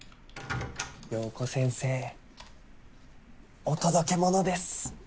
陽子先生お届け物です。